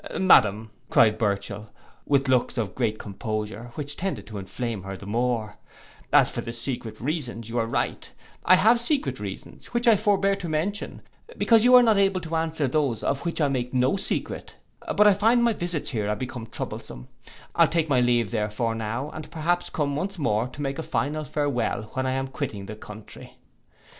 —'Madam,' cried Burchell, with looks of great composure, which tended to enflame her the more, 'as for secret reasons, you are right: I have secret reasons, which I forbear to mention, because you are not able to answer those of which I make no secret: but I find my visits here are become troublesome; I'll take my leave therefore now, and perhaps come once more to take a final farewell when I am quitting the country.